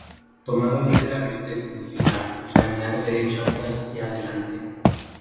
Tomado literalmente significa ‘caminar derecho atrás y adelante’.